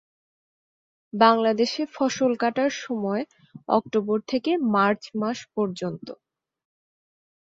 বাংলাদেশে এ ফসল কাটার সময় অক্টোবর থেকে মার্চ মাস পর্যন্ত।